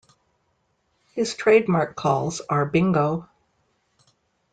His trademark calls are Bingo!